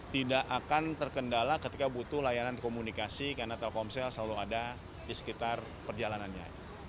tidak akan terkendala ketika butuh layanan komunikasi karena telkomsel selalu ada di sekitar perjalanannya